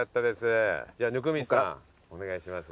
じゃ温水さんお願いします。